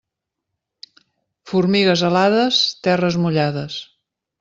Formigues alades, terres mullades.